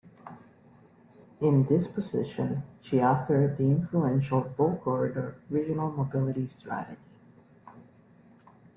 In this position, she authored the influential "Bow Corridor Regional Mobility Strategy".